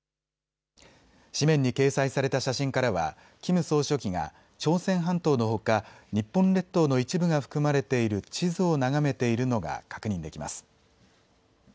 紙面に掲載された写真からはキム総書記が朝鮮半島のほか日本列島の一部が含まれている地図を眺めているのが確認できます。